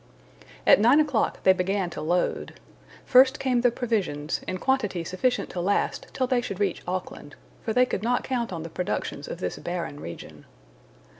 At nine o'clock they began to load. First came the provisions, in quantity sufficient to last till they should reach Auckland, for they could not count on the productions of this barren region.